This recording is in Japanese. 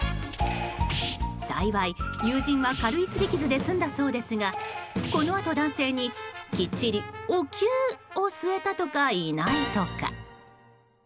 幸い、友人は軽い擦り傷で済んだそうですがこのあと、男性にきっちりおキューを据えたとかいないとか。